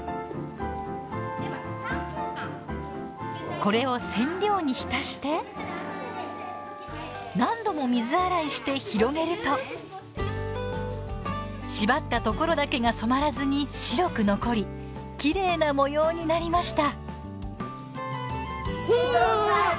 これを染料に浸して何度も水洗いして広げると縛ったところだけが染まらずに白く残りきれいな模様になりました。